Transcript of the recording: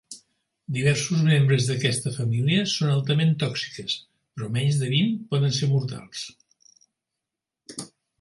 Diversos membres d'aquesta família són altament tòxiques, però menys de vint poden ser mortals.